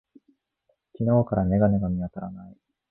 昨日から眼鏡が見当たらない。